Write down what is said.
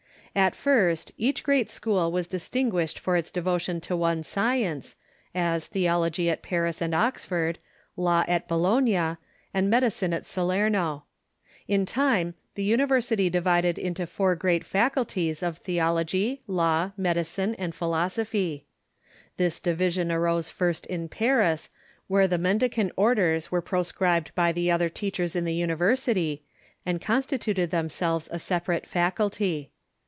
At first, each great school was distinguished for its devotion to one science, as theology at I^aris and Oxford, law at Bologna, and medicine at Salerno. In time the university divided into the four great faculties of theology, law, medicine, and philosophy. This division arose first in Paris, where the mendicant orders were proscribed by the other teachers in the university, and consti tuted themselves a separate faculty.